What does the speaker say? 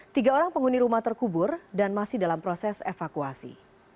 tiga orang penghuni rumah terkubur dan masih dalam proses evakuasi